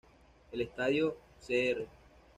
El estadio Cr.